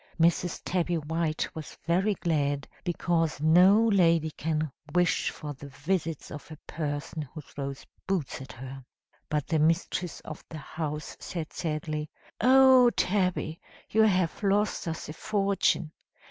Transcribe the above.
Mrs. Tabby White was very glad because no lady can wish for the visits of a person who throws boots at her. But the Mistress of the house said sadly, 'Oh, Tabby! you have lost us a fortune!'